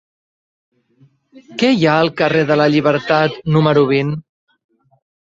Què hi ha al carrer de la Llibertat número vint?